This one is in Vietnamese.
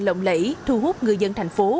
lộng lẫy thu hút người dân thành phố